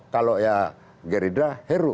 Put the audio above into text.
kalau ya geridra heru